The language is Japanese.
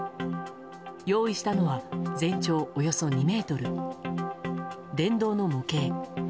用意したのは、全長およそ２ｍ電動の模型。